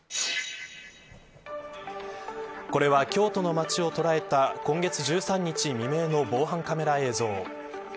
これは京都の街を捉えた今月１３日未明の防犯カメラ映像。